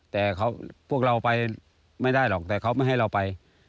แต่พวกเราไปไม่ได้หรอกแต่เขาไม่ให้เราไป